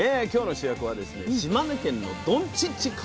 今日の主役はですね島根県のどんちっち